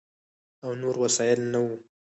او نور وسایل نه ؤ،